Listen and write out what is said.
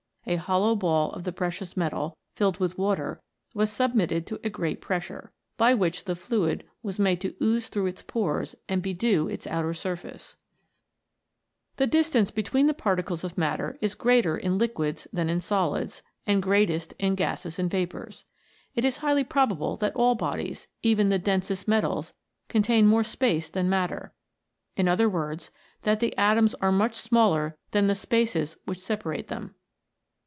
A. hollow ball of the precious metal, filled with water, was submitted to a great pressure, by which the fluid was made to ooze through its pores and bedew its outer surface. A LITTLE BIT. 69 The distance between the particles of matter is greater in liquids than in solids, and greatest in gases and vapours. It is highly probable that all bodies, even the densest metals, contain more space than matter in other words, that the atoms are much smaller than the spaces which separate them.